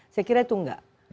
saya kira itu enggak